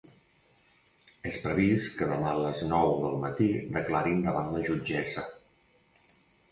És previst que demà a les nou del matí declarin davant la jutgessa.